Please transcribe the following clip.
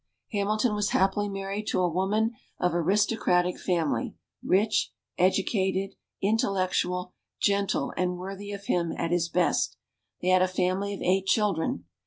Hamilton was happily married to a woman of aristocratic family; rich, educated, intellectual, gentle, and worthy of him at his best. They had a family of eight children.